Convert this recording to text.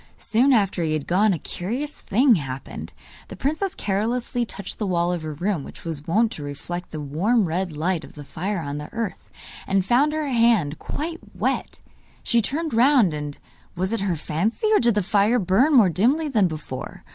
Soon after he had gone a curious thing happened. The princess carelessly touched the wall of her room, which was wont to reflect the warm red light of the fire on the hearth, and found her hand quite wet. She turned round, and was it her fancy? or did the fire burn more dimly than before?